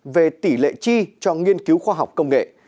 về tỷ lệ chi cho nghiên cứu khoa học công nghệ